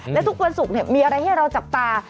และทุกวันศุกร์มีอะไรให้เราจับตา